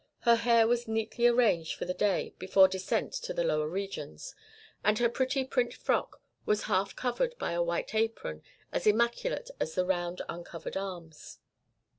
Her hair was neatly arranged for the day before descent to the lower regions, and her pretty print frock was half covered by a white apron as immaculate as her round uncovered arms.